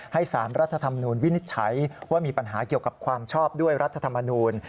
สารรัฐธรรมนูญวินิจฉัยว่ามีปัญหาเกี่ยวกับความชอบด้วยรัฐธรรมนูล